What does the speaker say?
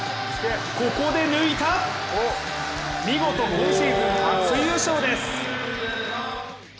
ここで抜いた、見事今シーズン初優勝です。